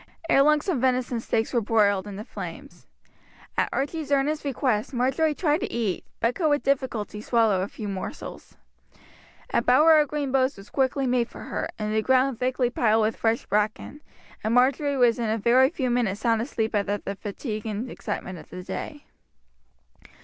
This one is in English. Ere long some venison steaks were broiled in the flames. At Archie's earnest request Marjory tried to eat, but could with difficulty swallow a few morsels. A bower of green boughs was quickly made for her, and the ground thickly piled with fresh bracken, and Marjory was in a very few minutes sound asleep after the fatigue and excitement of the day.